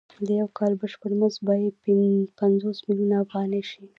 د یو کال بشپړ مزد به یې پنځوس میلیونه افغانۍ شي